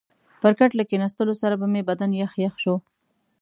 پر کټ له کښېنستو سره به مې بدن یخ یخ شو.